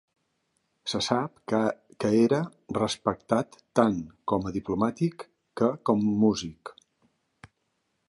Se sap que era respectat tant com a diplomàtic, que com músic.